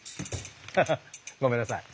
ハハッごめんなさい。